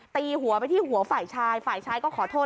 ตีหัวไปที่หัวฝ่ายชายฝ่ายชายก็ขอโทษ